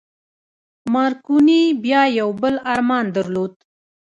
مارکوني بيا يو بل ارمان درلود.